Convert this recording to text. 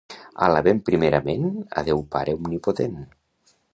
Alabem primerament a Déu Pare Omnipotent.